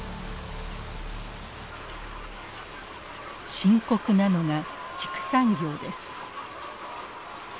深刻なのが畜産業です。